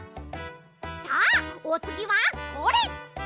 さあおつぎはこれ！